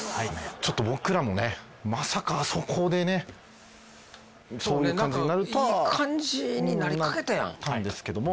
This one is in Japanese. ちょっと僕らもねまさかあそこでねそういう感じになるとはそうね何かいい感じになりかけたやんなったんですけども